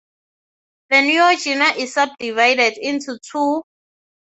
The Neogene is sub-divided into two epochs, the earlier Miocene and the later Pliocene.